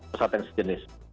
pesawat yang sejenis